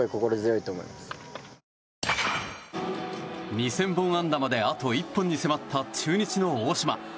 ２０００本安打まであと１本に迫った中日の大島。